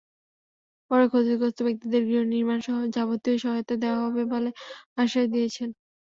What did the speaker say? পরে ক্ষতিগ্রস্ত ব্যক্তিদের গৃহনির্মাণসহ যাবতীয় সহায়তা দেওয়া হবে বলে আশ্বাস দিয়েছেন।